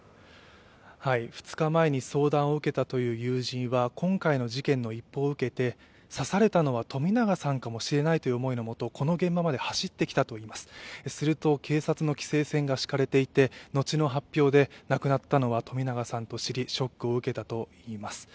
２日前に相談を受けたという友人は今回の事件の一報を受けて刺されたのは冨永さんかもしれないという思いのもと、この現場まで走ってきたといいますすると警察の規制線がしかれていて後の発表で、亡くなったのは冨永さんと知り、ショックを受けたといいます。